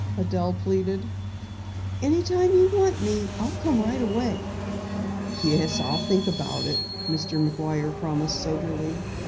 Adelle pleaded. "Anytime you want me, I'll come right away." "Yes, I'll think about it," Mr. McGuire promised soberly.